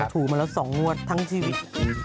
ถูกมาแล้ว๒งวดทั้งชีวิต